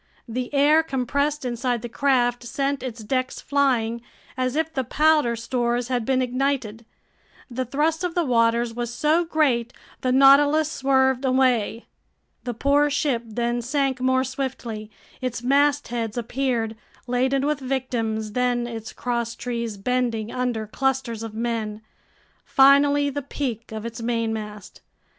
The air compressed inside the craft sent its decks flying, as if the powder stores had been ignited. The thrust of the waters was so great, the Nautilus swerved away. The poor ship then sank more swiftly. Its mastheads appeared, laden with victims, then its crosstrees bending under clusters of men, finally the peak of its mainmast.